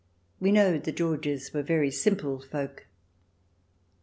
We know the Georges were very simple folk.